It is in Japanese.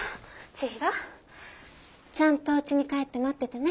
ちひろちゃんとおうちに帰って待っててね。